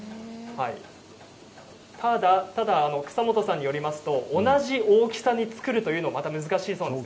ただ、草本さんによりますと同じ大きさに作るということがまた難しいそうです。